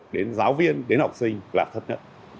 đến giáo viên đến học sinh là thật nhất